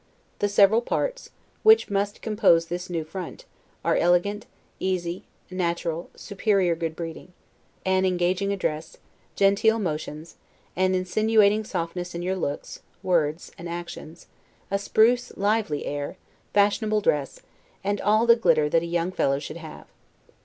The several parts, which must compose this new front, are elegant, easy, natural, superior good breeding; an engaging address; genteel motions; an insinuating softness in your looks, words, and actions; a spruce, lively air, fashionable dress; and all the glitter that a young fellow should have.